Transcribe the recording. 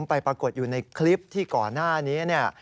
ไปปรากฏอยู่ในคลิปที่ก่อนหน้านี้